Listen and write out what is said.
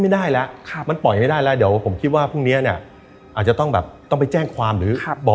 แต่อย่างที่บอกครับ